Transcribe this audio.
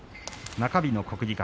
中日の国技館。